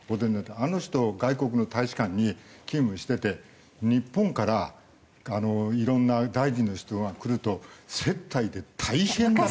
あの人外国の大使館に勤務してて日本からいろんな大臣の人が来ると接待で大変だったと。